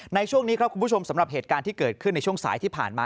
ในช่วงนี้ครับคุณผู้ชมสำหรับเหตุการณ์ที่เกิดขึ้นในช่วงสายที่ผ่านมา